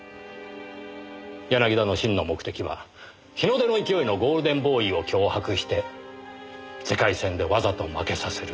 柳田の真の目的は日の出の勢いのゴールデンボーイを脅迫して世界戦でわざと負けさせる。